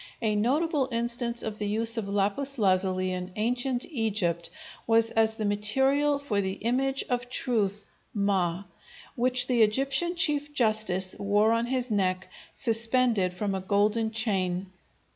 A notable instance of the use of lapis lazuli in ancient Egypt was as the material for the image of Truth (Ma), which the Egyptian chief justice wore on his neck, suspended from a golden chain.